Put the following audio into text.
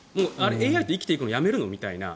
ＡＩと生きていくのやめるの？みたいな。